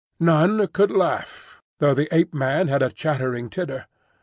None could laugh, though the Ape man had a chattering titter.